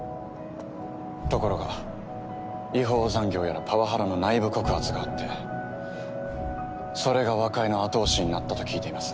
ところが違法残業やらパワハラの内部告発があってそれが和解の後押しになったと聞いています。